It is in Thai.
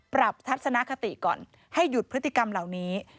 ทัศนคติก่อนให้หยุดพฤติกรรมเหล่านี้